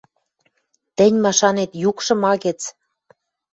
Тӹнь машанет, юкшы ма гӹц?